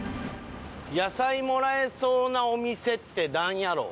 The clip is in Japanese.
野菜もらえそうなお店ってなんやろう？